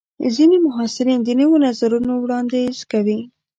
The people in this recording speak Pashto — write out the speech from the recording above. ځینې محصلین د نویو نظرونو وړاندیز کوي.